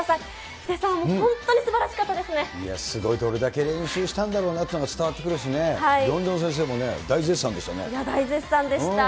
ヒデさん、すごい、どれだけ練習したんだろうなっていうのが伝わってくるしね、りょんりょん先生も大絶賛でしたね。